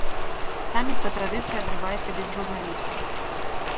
Саміт па традыцыі адбываецца без журналістаў.